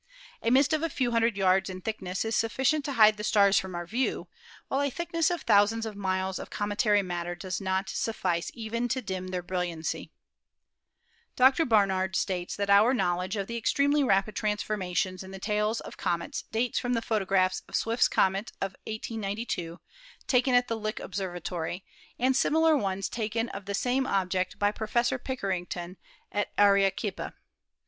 A mist of a few hundred yards in thickness is sufficient to hide the stars from our view, while a thick ness of thousands of miles of cometary matter does not suffice even to dim their brilliancy. COMETS, METEORS AND METEORITES 239 Dr. Barnard states that our knowledge of the extremely rapid transformations in the tails of comets dates from the photographs of Swift's comet of 1892, taken at the Lick Observatory, and similar ones taken of the same object by Professor Pickering at Arequipa.